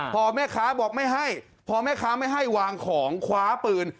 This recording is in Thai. พอแม่ค้าบอกไม่ให้พอแม่ค้าไม่ให้วางของคว้าปืน